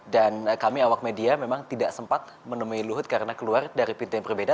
dan kami awak media memang tidak sempat menemui luhut karena keluar dari pintu yang berbeda